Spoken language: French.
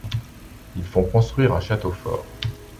Ils font construire un château fort.